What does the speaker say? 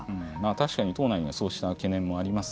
確かに党内にはそうした懸念もあります。